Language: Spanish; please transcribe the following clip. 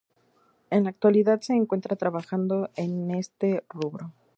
En la actualidad, se encuentra trabajando en este rubro.